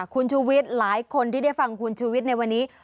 คุณชุวิตหลายคนที่ได้ฟังคุณชุวิตในวันนี้